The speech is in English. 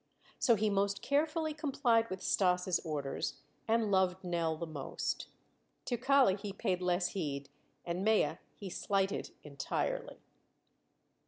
So he most carefully complied with Stas' orders, and loved Nell the most. To Kali he paid less heed and Mea he slighted entirely.